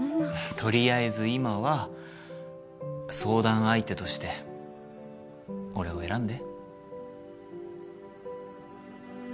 とりあえず今は相談相手として俺を選んで。